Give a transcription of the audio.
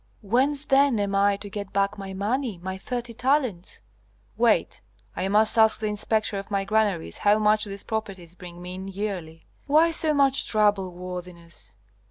"Whence then am I to get back my money, my thirty talents?" "Wait! I must ask the inspector of my granaries how much these properties bring me in yearly." "Why so much trouble, worthiness?